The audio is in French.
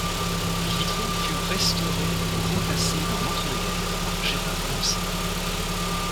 Les vitraux furent restaurés ou remplacés dans l'entre-deux-guerres par Gérard Ansart.